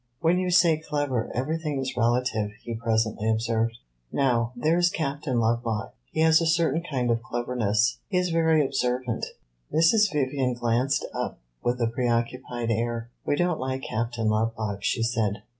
"When you say clever, everything is relative," he presently observed. "Now, there is Captain Lovelock; he has a certain kind of cleverness; he is very observant." Mrs. Vivian glanced up with a preoccupied air. "We don't like Captain Lovelock," she said.